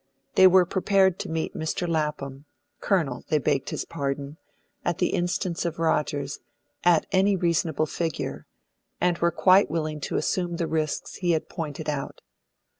They were prepared to meet Mr. Lapham Colonel, they begged his pardon, at the instance of Rogers at any reasonable figure, and were quite willing to assume the risks he had pointed out.